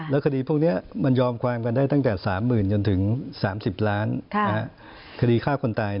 แล้วคดีพวกนี้มันยอมความกันได้ตั้งแต่๓๐จนถึง๓๐ล้าน